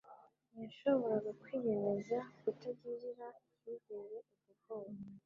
Ntiyashoboraga kwiyemeza kutagirira icyizere ubwo bwoko,